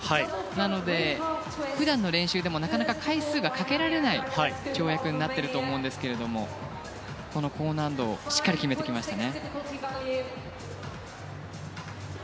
なので、普段の練習でもなかなか回数がかけられない跳躍になっていると思うんですがこの高難度をしっかり決めてきました。